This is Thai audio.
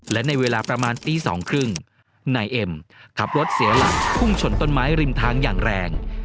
และในเวลาประมาณตีสองครึ่งนายเอ็มขับรถเสียหลักพุ่งชนต้นไม้ริมทางอย่างแรง